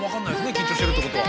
緊張してるってことは。